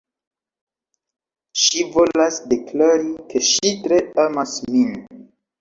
Ŝi volas deklari, ke ŝi tre amas min